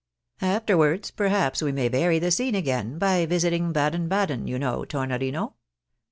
Afterwards, perhaps, we may vary the scene again, by visiting Baden Baden, you know, Tornorino.